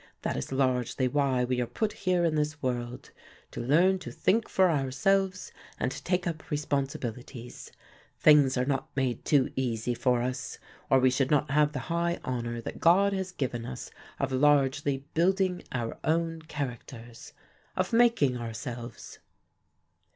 That is largely why we are put here in this world, to learn to think for ourselves and take up responsibilities: things are not made too easy for us, or we should not have the high honour that God has given us of largely building our own characters, of making ourselves."